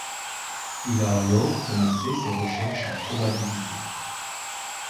Il a alors commencé ses recherches en probabilités.